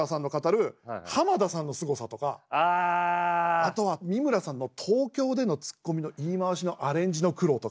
あとは三村さんの東京でのツッコミの言い回しのアレンジの苦労とか。